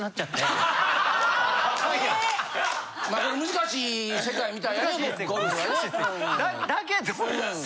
まあでも難しい世界みたいやね